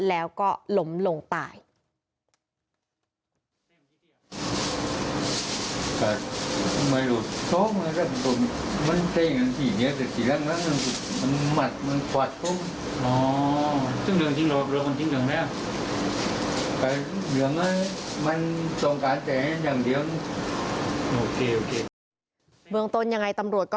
แล้วก็ล้มลงตาย